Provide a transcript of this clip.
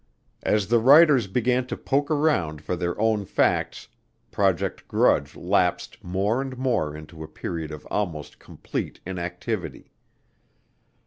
As the writers began to poke around for their own facts, Project Grudge lapsed more and more into a period of almost complete inactivity.